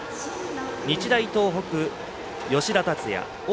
日大東北、吉田達也。